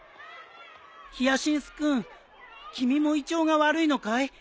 ヒヤシンス君君も胃腸が悪いのかい？